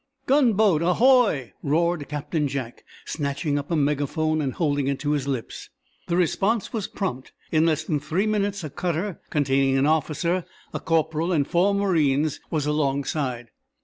"Gunboat, ahoy!" roared Captain Jack, snatching up a megaphone and holding it to his lips. The response was prompt. In less than three minutes a cutter, containing an officer, a corporal and four marines, was alongside.